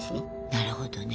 なるほどね。